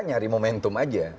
nyari momentum aja